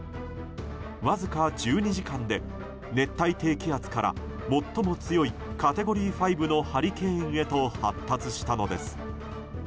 わずか１２時間で熱帯低気圧から最も強いカテゴリー５のハリケーンへと発達したのです。